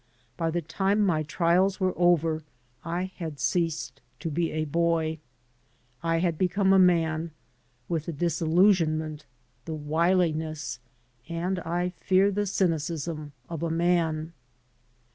By the time my trials were over I had ceased to be a boy. I had become a man, with the disillusionment, the wiliness, and, I fear, the cynicism of a man.